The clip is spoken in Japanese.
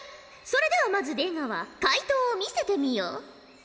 それではまず出川解答を見せてみよ。